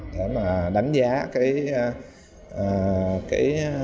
để mà đánh giá cái